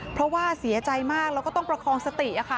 เพราะว่าเสียใจมากแล้วก็ต้องประคองสติ